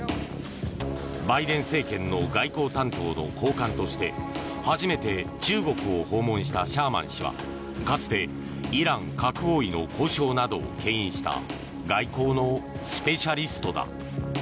バイデン政権の外交担当の高官として初めて中国を訪問したシャーマン氏はかつてイラン核合意の交渉などをけん引した外交のスペシャリストだ。